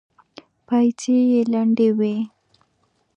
پايڅې يې لندې وې.